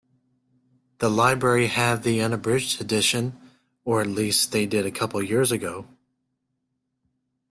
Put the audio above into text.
The library have the unabridged edition, or at least they did a couple of years ago.